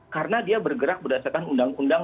karena dia bergerak berdasarkan undang undang